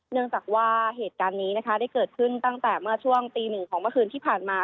เนื่องจากว่าเหตุการณ์นี้นะคะได้เกิดขึ้นตั้งแต่เมื่อช่วงตีหนึ่งของเมื่อคืนที่ผ่านมา